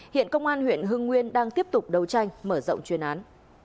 hiện công an huyện hưng nguyên đang tiếp tục đấu tranh mở rộng chuyên án